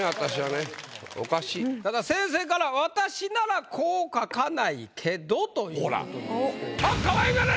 ただ先生から「私ならこう書かないけど」ということでございます。